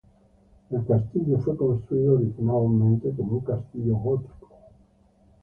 El castillo fue construido originalmente como un castillo gótico.